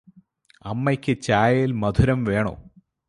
അമ്മയ്ക്ക് ചായയിൽ മധുരം വേണോ?